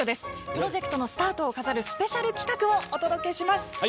プロジェクトのスタートを飾るスペシャル企画をお届けします。